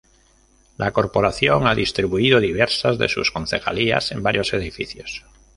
La Corporación ha distribuido diversas de sus concejalías en varios edificios.